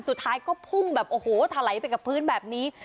สุดท้ายก็พุ่งแบบโอ้โหถลายไปกับพื้นแบบนี้